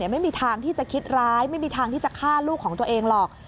ไม่มีทางที่จะคิดร้ายไม่มีทางที่จะฆ่าลูกของตัวเองหรอก